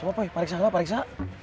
coba poi periksa periksa